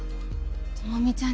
朋美ちゃん